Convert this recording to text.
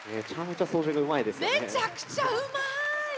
めちゃくちゃうまい！